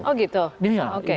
oh gitu oke